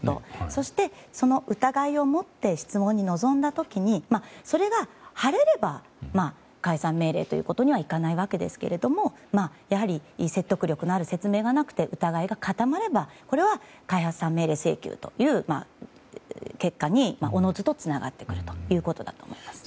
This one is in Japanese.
そして、その疑いを持って質問に臨んだ時にそれが晴れれば解散命令ということにはいかないわけですけどもやはり説得力のある説明がなくて疑いが固まればこれは、解散命令請求という結果におのずとつながってくるということだと思います。